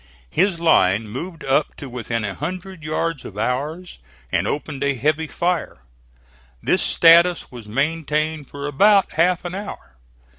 His line moved up to within a hundred yards of ours and opened a heavy fire. This status was maintained for about half an hour.